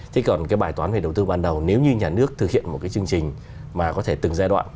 thế còn cái bài toán về đầu tư ban đầu nếu như nhà nước thực hiện một cái chương trình mà có thể từng giai đoạn